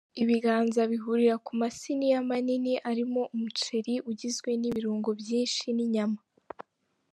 Ibiganza bihurira ku masiniya manini arimo umuceri ugizwe n’ibirungo byinshi n’inyama.